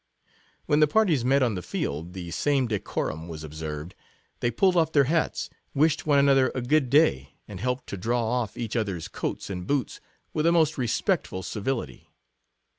When the parties met on the field, the same decorum was observed ; they pulled off their hats, wished one another a good day, and helped to draw off each other's coats and boots, with the most respectful ci vility.